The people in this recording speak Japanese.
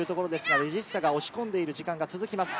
レジスタが押し込んでいる時間が続きます。